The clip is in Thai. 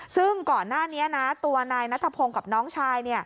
ซึ่งก่อนหน้านี้นะตัวนายนัทพงศ์กับน้องชาย